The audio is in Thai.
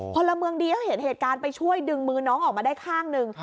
พลเมืองดีเขาเห็นเหตุการณ์ไปช่วยดึงมือน้องออกมาได้ข้างหนึ่ง